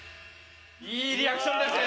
いいリアクションですね！